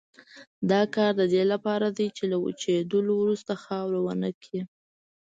دا کار د دې لپاره دی چې له وچېدلو وروسته خاوره ونه کړي.